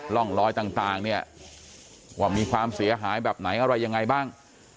ร่องรอยต่างเนี่ยว่ามีความเสียหายแบบไหนอะไรยังไงบ้าง